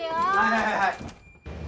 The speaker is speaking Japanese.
はいはいはい。